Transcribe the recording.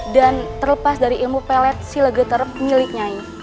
dan terlepas dari ilmu pelet si legater miliknya